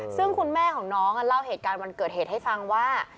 ซึ่งคุณแม่ของน้องเล่าเหตุการณ์วันเกิดเหตุให้ฟังว่า